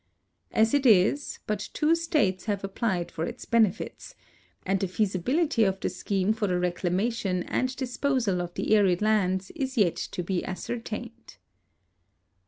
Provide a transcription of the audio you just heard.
As it is, but two states have applied for its benefits, and the feasibility of the scheme for the reclamation and disposal of the arid lands is yet to be ascertained.